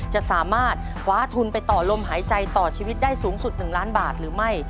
จะสามารถคว้าทุนไปต่อลมหายใจต่อชีวิตได้สูงสุด๑ล้านบาทหรือไม่